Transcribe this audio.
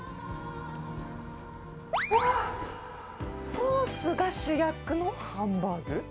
ソースが主役のハンバーグ。